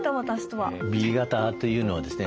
Ｂ型というのはですね